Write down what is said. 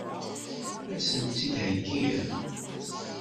Ad sen-tt-id-heggiɣ?